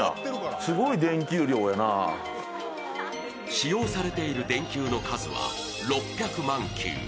使用されている電球の数は６００万球。